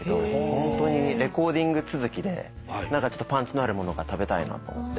ホントにレコーディング続きでパンチのあるものが食べたいなと思って。